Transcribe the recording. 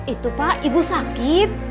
itu pak ibu sakit